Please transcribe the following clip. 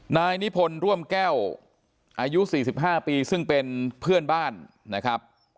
นายนิพนธ์ร่วมแก้วอายุ๔๕ปีซึ่งเป็นเพื่อนบ้านนะครับ